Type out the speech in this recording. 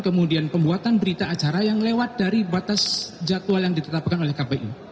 kemudian pembuatan berita acara yang lewat dari batas jadwal yang ditetapkan oleh kpu